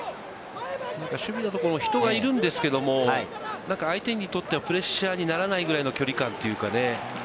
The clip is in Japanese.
守備のところも人がいるんですけれども、何か相手にとってはプレッシャーにならないぐらいの距離感というかね。